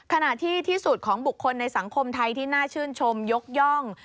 ขณะที่ที่สุดของบุคคลในสังคมไทยที่น่าชื่นชมยกย่อง